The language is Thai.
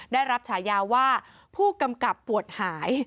ได้รับฉายาว่าผู้กำกับปวดหาย